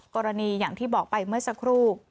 อย่างที่บอกไปเมื่อสักครู่